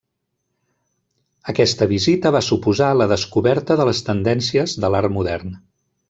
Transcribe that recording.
Aquesta visita va suposar la descoberta de les tendències de l'art modern.